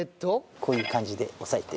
こういう感じで押さえて。